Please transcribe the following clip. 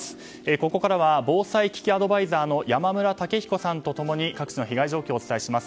ここからは防災危機アドバイザーの山村武彦さんとともに各地の被害状況をお伝えします。